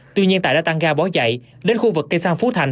tuy nhiên tại đã tăng ga bó dậy đến khu vực cây xăng phú thành